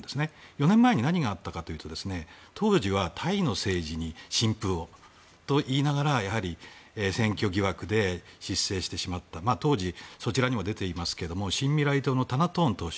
４年前、何があったかというと当時はタイの政治に新風をと言いながら、選挙疑惑で失政してしまった当時、そちらにも出ていますが新未来党のタナトーン党首